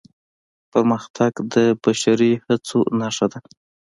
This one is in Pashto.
پرمختګ د بشري هڅو نښه ده.